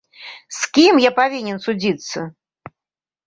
З кім я павінен судзіцца?